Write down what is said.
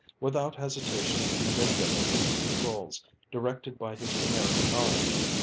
Without hesitation he manipulated the controls, directed by his Venerian knowledge.